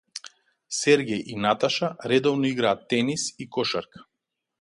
Сергеј и Наташа редовно играат тенис и кошарка.